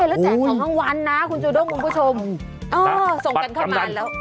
ทำให้แล้วแจกของทั้งวันนะคุณจูด้มคุณผู้ชมโอ้ส่งกันเข้ามาแล้ว